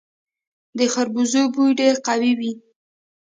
د خربوزې بوی ډیر قوي وي.